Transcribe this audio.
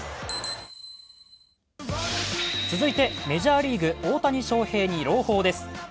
続いてメジャーリーグ大谷翔平に朗報です。